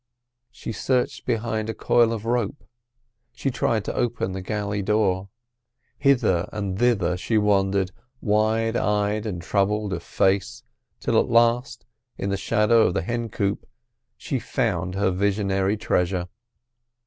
She searched behind a coil of rope, she tried to open the galley door; hither and thither she wandered, wide eyed and troubled of face, till at last, in the shadow of the hencoop, she found her visionary treasure.